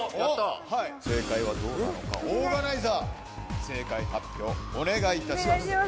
はい正解はどうなのかオーガナイザー正解発表お願いいたします